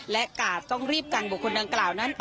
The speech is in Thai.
และกาดต้องรีบกันบุคคลดังกล่าวนั้น